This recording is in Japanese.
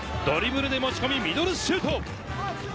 ドリブルで持ち込みミドルシュート！